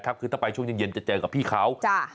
คือถ้าไปช่วงเย็นจะเจอกับพี่เขา